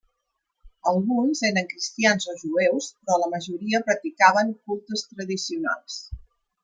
Alguns eren cristians o jueus però la majoria practicaven cultes tradicionals.